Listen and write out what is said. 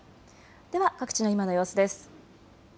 では各地の様子です。